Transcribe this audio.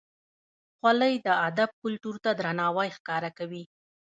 خولۍ د ادب کلتور ته درناوی ښکاره کوي.